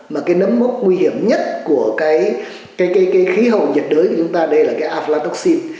mà cái nấm mốc nguy hiểm nhất của cái khí hậu nhiệt đới của chúng ta đây là cái aflatoxin